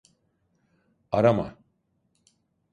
Arama…